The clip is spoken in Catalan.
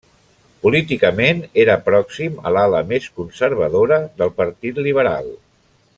Políticament, era pròxim a l'ala més conservadora del partit liberal.